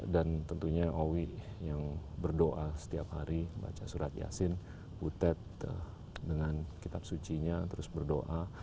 dan tentunya owi yang berdoa setiap hari baca surat yasin butet dengan kitab suci nya terus berdoa